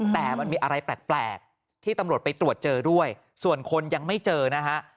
แต่มันมีอะไรแปลกที่ตำรวจไปตรวจเจอด้วยส่วนคนยังไม่เจอนะฮะ